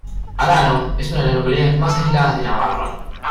Arano es una de las localidades más aisladas de Navarra.